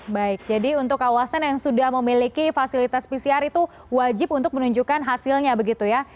baik jadi untuk kawasan yang sudah memiliki fasilitas pcr itu wajib untuk menunjukkan hasilnya begitu ya